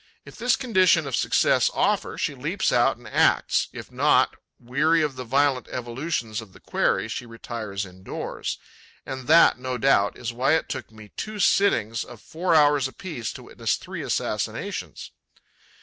If this condition of success offer, she leaps out and acts; if not, weary of the violent evolutions of the quarry, she retires indoors. And that, no doubt, is why it took me two sittings of four hours apiece to witness three assassinations.